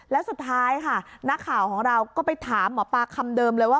แล้วสุดท้ายค่ะนักข่าวของเราก็ไปถามหมอปลาคำเดิมเลยว่า